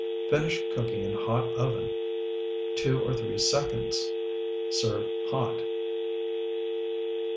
Finish cooking in hot oven two or three seconds. Serve hot.